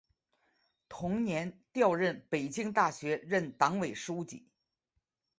同年调任北京大学任党委书记。